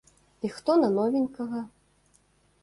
І хто на новенькага?